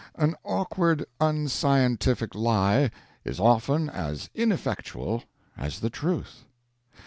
An awkward, unscientific lie is often as ineffectual as the truth.